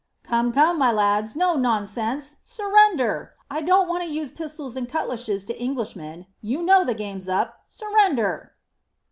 "Come, come, my lads, no nonsense! Surrender. I don't want to use pistols and cutlashes to Englishmen. You know the game's up. Surrender."